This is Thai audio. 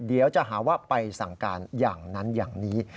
เดี๋ยวจะหาว่าไปสั่งการอย่างนั้นอย่างนี้